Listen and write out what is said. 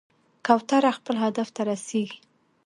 کوتره خپل هدف ته رسېږي.